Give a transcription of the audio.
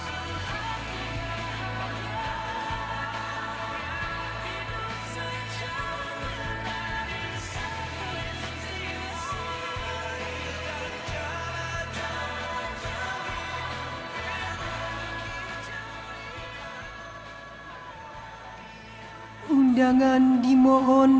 tetapi kau pun mendang rumahku